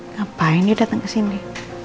ngapain dia dateng kesini